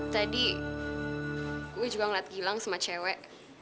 tadi gue juga ngeliat gilang sama cewek